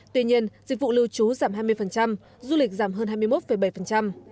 tuy nhiên dịch vụ lưu trú giảm hai mươi du lịch giảm hơn hai mươi một bảy